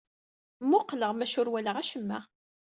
Mmuqleɣ, maca ur walaɣ acemma.